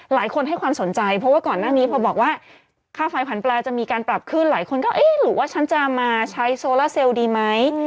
หลายคนให้ความสนใจเพราะว่าก่อนหน้านี้พอบอกว่าค่าไฟผันปลาจะมีการปรับขึ้นหลายคนก็เอ๊ะหรือว่าฉันจะมาใช้โซล่าเซลลดีไหม